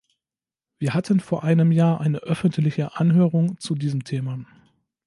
Wir hatten vor einem Jahr eine öffentliche Anhörung zu diesem Thema.